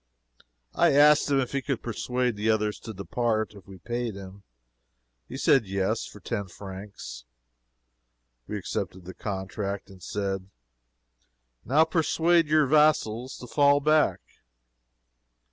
I asked him if he could persuade the others to depart if we paid him. He said yes for ten francs. We accepted the contract, and said "Now persuade your vassals to fall back."